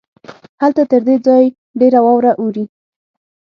هلته تر دې ځای ډېره واوره اوري.